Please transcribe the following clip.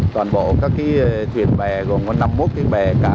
toàn bộ các thuyền bè gồm năm mươi một bè cá